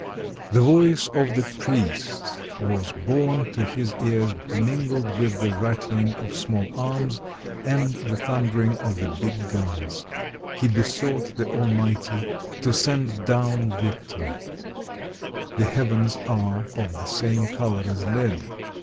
The voice of the priest was borne to his ears mingled with the rattling of small arms and the thundering of the big guns; he besought the Almighty to send down 217 RUSSIA victory; the heavens are of the same color as lead.